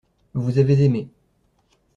Vous avez aimé.